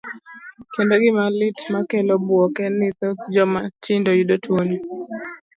Kendo gima lit makelo buok en ni thoth joma tindo yudo tuoni.